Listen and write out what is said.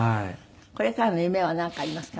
これからの夢はなんかありますか？